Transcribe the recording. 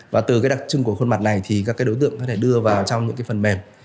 và từ cái đặc trưng của khuôn mặt này thì các cái đối tượng có thể đưa vào trong những phần mềm